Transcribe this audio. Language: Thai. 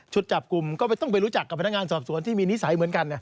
จับกลุ่มก็ต้องไปรู้จักกับพนักงานสอบสวนที่มีนิสัยเหมือนกัน